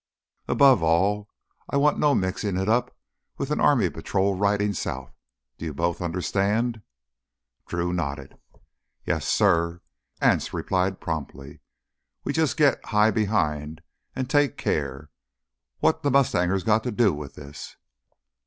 And above all I want no mixing it up with any army patrol riding south. Do you both understand?" Drew nodded. "Yes, suh," Anse replied promptly. "We jus' git high behind an' take care. What the mustangers got to do with this?"